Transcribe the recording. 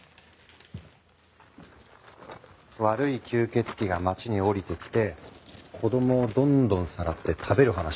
悪い吸血鬼が町に降りてきて子供をどんどんさらって食べる話。